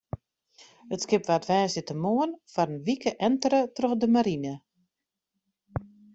It skip waard woansdeitemoarn foar in wike entere troch de marine.